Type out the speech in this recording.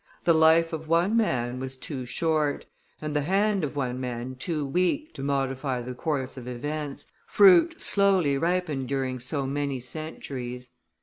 The life of one man was too short, and the hand of one man too weak to modify the course of events, fruit slowly ripened during so many centuries.